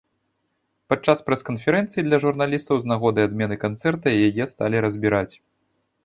Падчас прэс-канферэнцыі для журналістаў з нагоды адмены канцэрта яе сталі разбіраць.